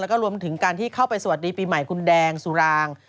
แล้วก็รวมถึงการที่เข้าไปสวัสดีปีใหม่คุณแดงสุราง